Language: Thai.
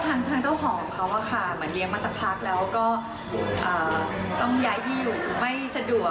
ทางเจ้าของเขาอะค่ะเหมือนเลี้ยงมาสักพักแล้วก็ต้องย้ายที่อยู่ไม่สะดวก